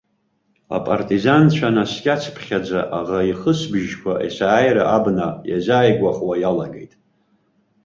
Апартизанцәа наскьацыԥхьаӡа, аӷа ихысыбжьқәа есааира абна иазааигәахо иалагеит.